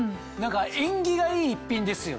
縁起がいい１品ですよね。